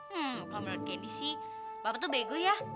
hmm kalau menurut gendy sih bapak tuh bego ya